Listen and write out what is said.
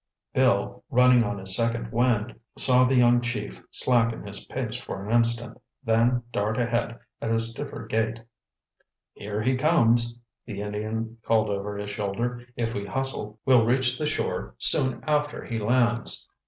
Bill, running on his second wind, saw the young Chief slacken his pace for an instant, then dart ahead at a stiffer gait. "Here he comes!" the Indian called over his shoulder. "If we hustle, we'll reach the shore soon after he lands."